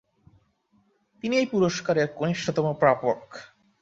তিনি এই পুরস্কারের কনিষ্ঠতম প্রাপক।